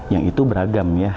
yang itu beragam ya